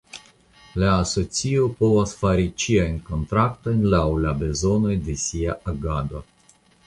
La Asocio povas fari ĉiajn kontraktojn laŭ la bezonoj de sia agado.